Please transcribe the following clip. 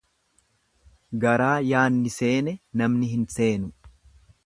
Garaa yaanni seene namni hin seenu.